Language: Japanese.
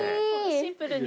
シンプルに。